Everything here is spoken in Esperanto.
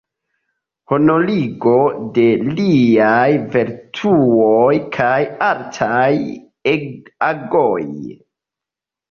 Honorigo de liaj vertuoj kaj altaj agoj.